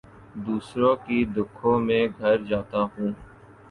دوسروں کے دکھوں میں گھر جاتا ہوں